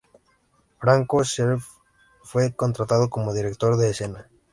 Franco Zeffirelli fue contratado como director de escena.